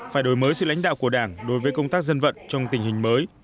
phải đổi mới sự lãnh đạo của đảng đối với công tác dân vận trong tình hình mới